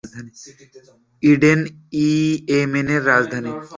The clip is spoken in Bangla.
এডেন ইয়েমেনের রাজধানী।